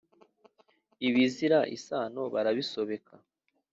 Ibizira isano bara bisobeka